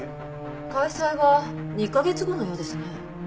開催は２カ月後のようですね。